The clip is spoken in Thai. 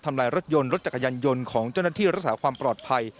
ลายรถยนต์รถจักรยานยนต์ของเจ้าหน้าที่รักษาความปลอดภัย